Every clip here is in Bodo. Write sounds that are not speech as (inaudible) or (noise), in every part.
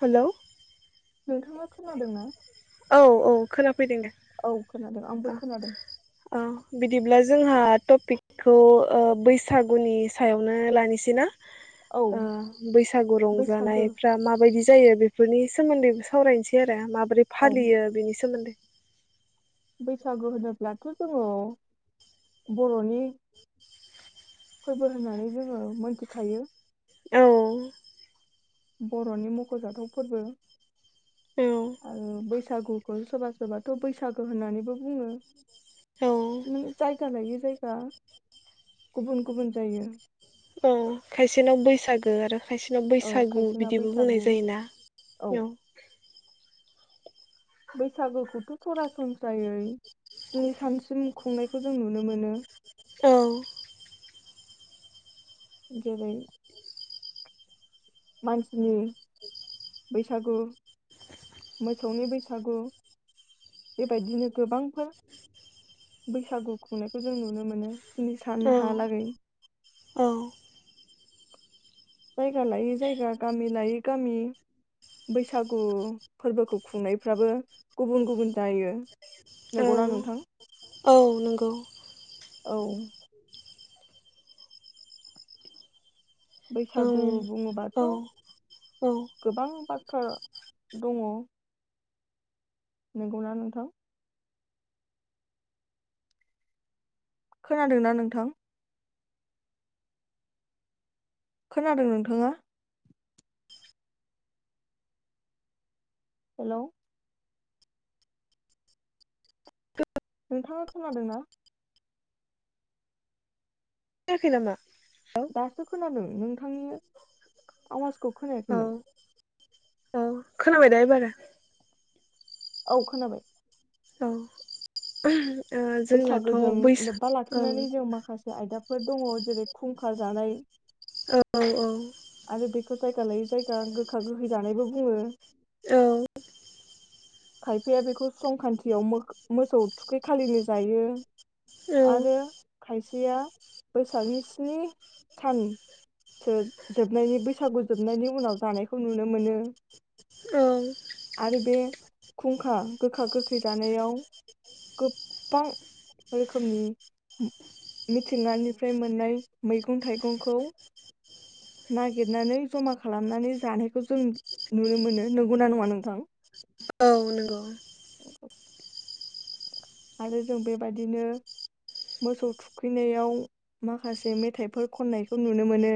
हेलौ। नोंथाङा खोनादोंना? औ औ खोनाफैदों दे औ खोनादों आंबो ओ खोनादों औ बिदिब्ला जोंहा टपिकखौ ओ बैसागुनि सायावनो लानोसै ना। औ ओ बैसागु बैसागो रंजानायफ्रा माबायदि जायो बेफोरनि सोमोन्दै सावरायनोसै आरो माब बोरै औ फालियो बिनि सोमोन्दै। बैसागु होनोब्लाथ' जोङो बर'नि फोरबो होननानै जोङो मोनथिखायो। औ। बर'नि मख'जाथाव फोरबो। औ। सागुखौ सोरबा सोरबाथ' बैसागो होननानैबो बुङो। औ उम जायगा लायै जायगा गुबुन गुबुन जायो। औ खायसेनाव बैसागो आरो खायसेनाव औ बैसागु खायसेना बिदिबो बुंनाय बैसागु जायोना औ बैसागोखौथ' सरासनस्रायै जोंनि सानसिम खुंनायखौ जों नुनो मोनो। औ जेरै मानसिनि बैसागु मोसौनि बैसागु बेबायदिनो गोबांफोर बैसागु खुंनायखौ जों नुनो मोनो। स्निसान औ हालागै औ जायगा लायै जायगा गामि लायै गामि बैसागु फोरबोखौ खुंनायफ्राबो गुबुन गुबुन जायो औ नंगौना नोंथां। औ नंगौ। औ औ बैसागु बुङोबाथ' औ गोबां बाथ्रा दङ'। नंगौना नोंथां? खोनादोंना नोंथां खोनादों नोंथाङा? हेलौ नोंथाङा खोनादोंना? याखै नामा? दासो खोनादों नोंथांनि आवाजखौ औ खोनायाखैमोन। औ खोनाबाय दा एबारो? औ खोनाबाय। औ ओ जोंनाथ' बैसागोजों बैसा लोब्बा औ लाखिनानै जों माखासे आयदाफोर दङ' जेरै खुंखा जानाय औ औ औ आरो बेखौ जायगा लायै जायगा गोखा गोखै जानायबो बुङो। औ खायफाया बेखौ संख्रान्थियाव मो-मोसौ थुखै खालिनो जायो। औ आरो खाथि (unintelligible) बैसागनि स्नि सानसो जोबनायनि बैसागु जोबनायनि उनाव जानायखौ नुनो मोनो। औ आरो बे खुंखा गोखा गोखै जानायाव गोबां रोखोमनि मिथिंगानिफ्राय मोननाय मैगं थाइगंखौ नागिरनानै जमा खालामनानै जानायखौ जों नुनो मोनो नंगौना नङा नोंथां? औ नंगौ। आरो जों बेबादिनो मोसौ थुखैनायाव माखासे मेथाइफोर खननायखौ नुनो मोनो।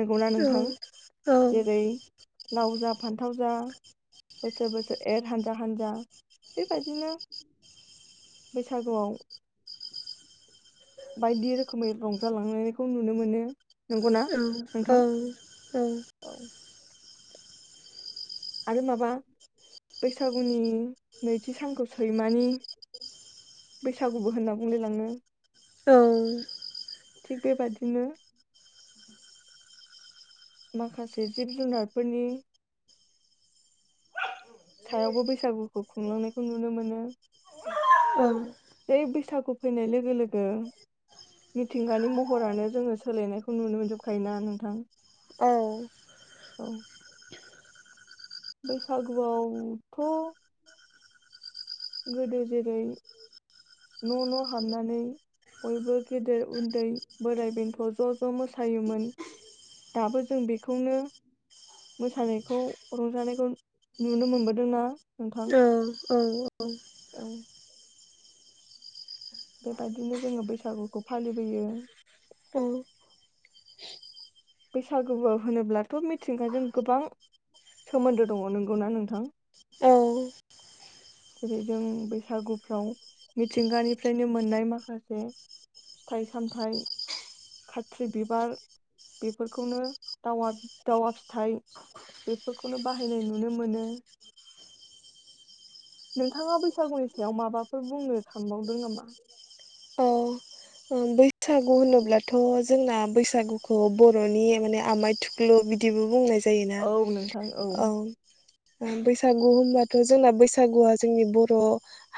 नंगौना औ नोंथां औ जेरै लाव जा फान्थाव जा बोसोर बोसोर एर हानजा हानजा बेबायदिनो बैसागुआव बायदि रोखोमै रंजालांनायखौ नुनो मोनो नंगौना। ओं नोंथां औ औ। आरो माबा बैसागुनि नैथि सानखौ सैमानि बैसागुबो होनना बुंलायलाङो औ थिग बेबादिनो माखासे जिब जुनारफोरनि सायावबो बैसागुखौ खुंलांनायखौ नुनो मोनो जै बैसागु फैनाय लोगो लोगो मिथिंगानि महरानो जोङो सोलायनायखौ नुनो मोनजोबखायोना नोंथां औ बैसागुआवथ' गोदो जेरै न' न' हाबनानै बयबो गेदेर उन्दै बोराय बेन्थ' ज' ज' मोसायोमोन दाबो जों बेखौनो मोसानायखौ रंजानायखौ नुनो मोनबोदोंना नोंथां ओंओं औ बेबायदिनो जोङो बैसागुखौ फालिबोयो बैसागु होनोब्लाथ' मिथिंगाजों गोबां सोमोन्दो दङ नंगौना नोंथां औ जेरै जों बैसागुफ्राव मिथिंगानिफ्रायनो मोननाय माखासे फिथाइ सामथाइ खाथ्रि बिबार बेफोरखौनो दावा दावा फिथाइ बेफोरखौनो बाहायनाय नुनो मोनो नोंथाङा बैसागुनि सायाव माबाफोर बुंनो सांनबावदों नामा? ओं बैसागु होनोब्लाथ' जोंना बैसागुखौ बर'नि माने आमाइ थुख्लु बिदिबो बुंनाय जा जायोना औ नोंथां औ बैसागु होनबाथ' जोंना बैसागुआ जोंनि बर'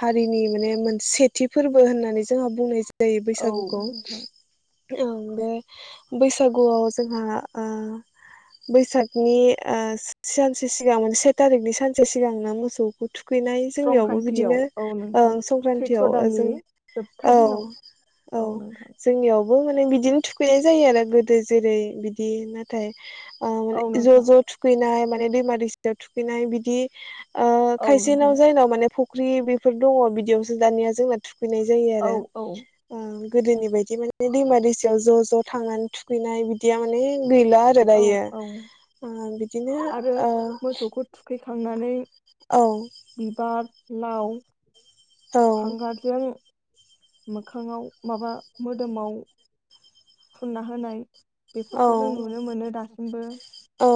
हारिनि माने मोनसे सेथि फोरबो होननानै जोंहा बुंनाय जायो जायो औ बैसागु गौ नोंथां ओं बे बैसागुआव जोंहा आ बैसागनि आ सानसे सिगां से थारिखनि सानसे सिगांनो मोसौ गुथु गैनाय जोंनियावबो स्रंखान्थियाव बिदिनो औ नोंथां सैथ्र' संक्रान्तियाव दाननि जोबथा दिनाव औ औ जोंनियाव बो मे बिदिनो थुखैनाय जायो आरो गोदो जेरै बिदि नाथाय आ औ माने ज नोंथां ज थुखैनाय माने दैमा दैसियाव थुखैनाय बिदि आ औ खायसे नोंथां नाव जायनाव माने फु फुख्रि बेफोर दङ बिदियावसो दानिया जोंना थुखै फैनाय जायो औ आरो औ गोदोनि बायदि माने दैमा दैसायाव ज' ज' थांनानै थुखैनाय बिदिया माने गैला आरो औ दायो औ बिदिनो आरो मोसौखौ थुखैखांनानै औ बिबार नाउ औ हांगारजों मोखाङाव माबा मोदोमाव फुनना होनाय औ बेफोरखौ जों नुनो मोनो दासिमबो औ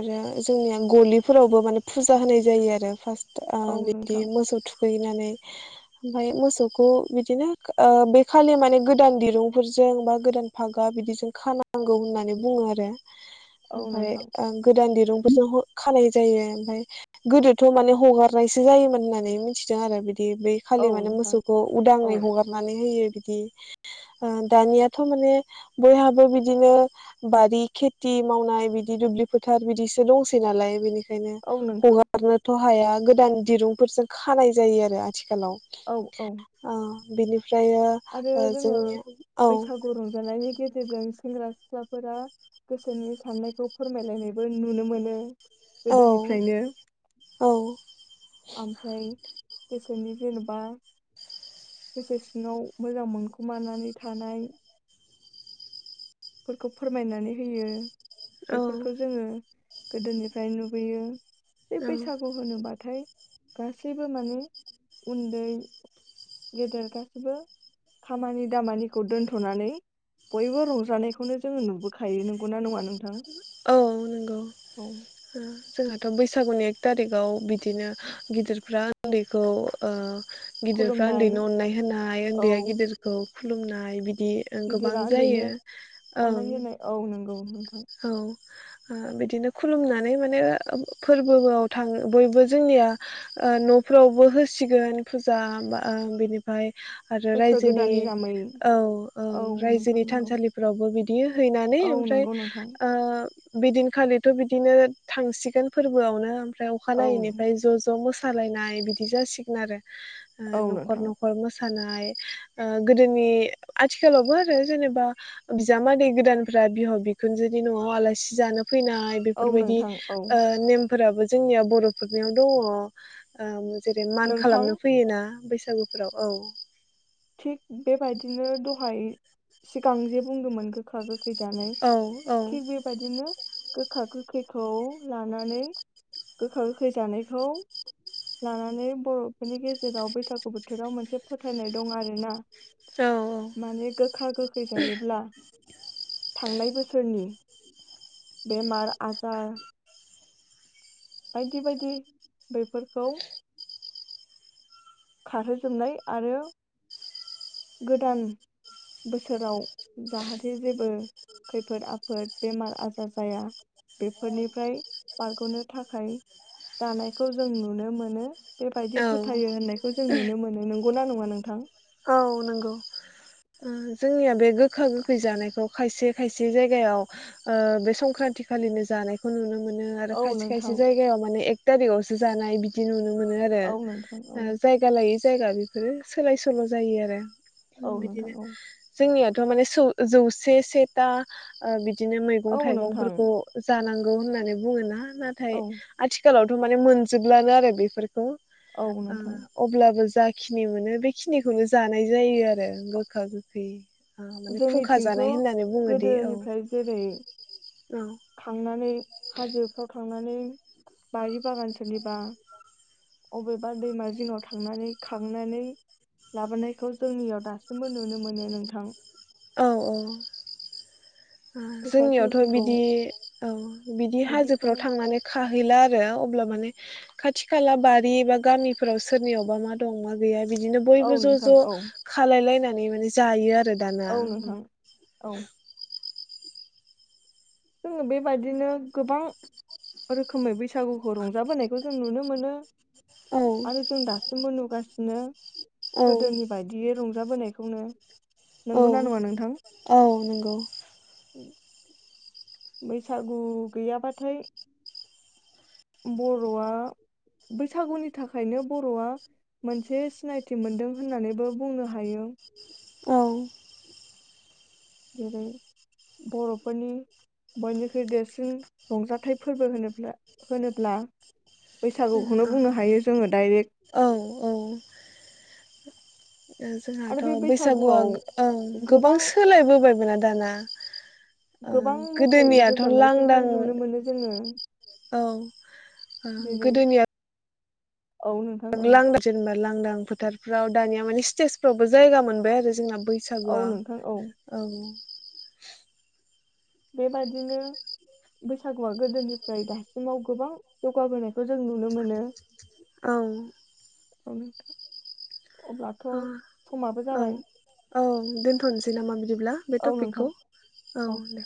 आरो जोंनिया गलिफोरावबो माने फुजा होनाय जायो आरो फार्स्ट औ बिदि नोंथां मोसौ थुख थुखैनानै ओमफ्राय मोसौखौ बिदिनो बे खालि माने गोदान दिरुंफोरजों बा गोदान फागा बिदिजों खानांगौ होननानै बुङो आरो औ ओमफ्राय नोंथां गोदान दिन दुंफोरजों खानाय जायो ओमफफ्राय गोदोथ' माने हगारनायसो जायोमोन होननानै मिथिदों आरो बिदि बिदि बै औ खालि माने नोंथां मोसौखौ औ उदाङै हगारनानै होयो। बि दानियाथ' माने बयहाबो बिदिनो बारि खेथि मावनाय बिदि दुब्लि फोथार बिदिसो दंसै नालाय बिनिख खायनो औ नोंथां हगारनोथ'। हाया गोदान दिरुंफोरजों खानाय जायो आरो। आथिखालाव औ औ बिनि आरो जोङो औ बैसागु रंजानायनि गेजेरजों सेंग्रा सिख्लाफोरा गोसोनि साननायखौ फोरमायलायनायबो नुनो मोनो। औ गोदोनिफ्रायनो औ ओमफ्राय गो सोनि जेनेबा गोसो सिङाव मोजां मोनखुमानानै थानायफोरखौ फोरमायनानै होयो। औ बेफोरखौ जोङो। गोदोनिफ्राय नुबोयो। जे बैसागु होनोबाथाय गासैबो माने उन्दै गेदेर गासैबो। खामानि दामानिखौ दोनथ'नानै बयबो रंजानायखौनो जोङो नुबोखायो नंगौना नङा नों औ नंगौ। जोंहाथ' बैसागुनि एक थारिकाव बिदिनो गिदिरफ्रा उन्दैखौ ओ गिदिरफ्रा खुलुमनाय उन्दैनो अननाय होनाय औ उन्दैया गिदिरखौ खुलुमनाय बिदि बिदि गोबां गिदिरा उन्दैनो जायो। अननाय होनाय औ नंगौ नोंथां औ। बिदिनो खुलुमनानै माने फोरबोआव थां बयबो जोंनिया न'फ्रावबो होसिगोन फुजा बा बिनिफ्राय आरो बोसोर रायजोनि गोदाननि नामै औ औ नोंथां रायजोनि नंगौ थानसालिफोरावबो बिदि बियो हैनानै ओमफ्राय। नंगौ औ। नोंथां ओ बिदिनखालिथ' बिदिनो थांसिगोन फोरबोआवनो। ओमफ्राय औ नोंथां अखानायैनिफ्राय ज' ज' मोसा सालायनाय बिदि जासिगोन आरो। औ न'खर नोंथां न'खर मोसा खानाय ओ गोदोनि आथिखालावबो आरो जेनेबा बिजामादै गोदानफ्रा बिहाव बि खुनजोनि न'आव आलासि जानो फैनाय औ बेफोर बायदि नोंथां औ ओ नेम फोराबो जोंनिया बर'फोरनियाव दङ' ओम जेरै मान नोंथां खालामनो फैयोना बैसागुफोराव औ थिग बेबायदिनो दहाय सिगां जे बुंदोंमोन गोखा गोख खै जानाय औ थिग औ बेबायदिनो गो खा गोखैखौ लानानै गोखा गोखै जानायखौ लानानै बर'फोरनि गेजेराव बैसागु बोथोराव मोनसे फोथायनाय दं आरोना। माने गोखा गोखै जायोब्ला थांनाय बोसोरनि बेमार आजार बायदि बायदि बेफोरखौ खारहोजोबनाय आरो गोदान बोसोराव जाहाथे जेबो खैफोद आफोद बेमार आजार जाया बेफोरनिफ्राय बारग'नो थाखाय जानायखौ जों नुनो मोनो बेबायदि औ फोथायो होननाय खौ जों नुनो मोनो नंगौना नङा नोंथां? उम जोंनिया बे गोखा गोखै जानायखौ खायसे खायसे जायगायाव ओ बे संक्रान्ति खालिनो जानायखौ नुनो मोनो आरो औ खायसे नोंथां खायसे जायगायाव माने एक तारिकावसो जानाय बिदि नुनो मोनो आरो औ नोंथां औ ओ जायगा लायै ज जायगा बेफोरो सोलाय सोल' जायो आरो औ नोंथां बिदिनो औ जोंनियाथ' माने सौ जौसे से ता ओ बि दिनो मैगं औ नोंथां थाइगंफोरखौ जानां गौ होननानै बुङोना। नाथाय औ आथिखालाव थ' माने मोनजोब्लानो आरो बेफोर खौ औ ओ नोंथां अब्लाबो ज जाखिनि मोनो बेखिनिखौनो जानाय जायो आरो गोग खा गोखै ओ माने खुंखा जोंनिथिंथ' जानाय होननानै बुङोदि औ गोदोनिफ्राय जेरै औ खांनानै हाजोफ्राव थांनानै बारि बागान सोरनिबा अबेबा दैमा जिङाव थांनानै खांनानै लाबोनायखौ जोंनियाव दासिमबो नुनो मोनो नोंथां औ औ ओ गोखा जोंनियावथ' गोखैखौ बिदि औ बिदि बिदिखौ हाजोफ्राव थांनानै खाहैला आ (unintelligible) अब्ला माने खाथि खाला बारि बा गामिफोराव सोरनियावबा मा दं मा गैया बिदिनो औ बयबो ज' नोंथां ज' औ खालायलायना माने जायो आरो। दाना औ नोंथां औ जोङो बेबादिनो गोबां रोखोमै बैसागुखौ रंजाबोनायखौ जों नुनो मोनो। औ आरो जों दासिमबो नु गासिनो औ गोदोनि बायदियै रं जाबोनायखौनो। औ औ नंगौ। बैसागु गैयाबाथाय बर'आ बैसागुनि थाखायनो बर'आ मोनसे सिनायथि मोनदों होननानैबो बुंनो हायो। औ। जेरै बर'फोरनि बयनिख्रुइ देरसिन रंजाथाइ फोरबो होनोब्ला होनोब्ला बैसागुखौनो बुंनो हायो जोङो डाइरेक्ट। औ ओ जोंहाथ' आरो बे बैसागुआ बैसागुआव ओ गोबां सोलायबोबायबोना दाना ओ गोबां मेथाइ गोदोनियाथ' रोजाबनायफोरबो लांदां नुनो मोनो जोङो औ ओ जेरै गोदोनिया औ नोंथां औ लांदां जेनबा लांदां फोथारफ्राव दानिया माने स्टेजफ्रावबो जायगा मोनबाय आरो जोंना। औ बैसागुआ नोंथां औ। बेबादिनो बैसागुआ गोदोनिफ्राय दासिमाव गोबां जौगाबोनाय खौ जों नुनो मोनो। औ (inaudible) अब्लाथ' औ समाबो जाबाय। औ दोनथ'नोसै नामा? बिदिब्ला बे औ नोंथां टपिकखौ औ दे।